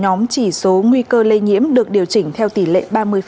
nhóm chỉ số nguy cơ lây nhiễm được điều chỉnh theo tỷ lệ ba mươi